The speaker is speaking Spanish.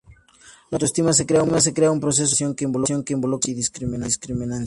La autoestima se crea en un proceso de comparación que involucra valores y discrepancias.